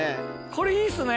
これいいですね。